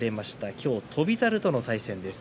今日は翔猿との対戦です。